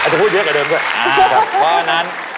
อาจจะพูดเยอะกว่าเดิมด้วยครับ